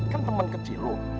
kan temen kecil lo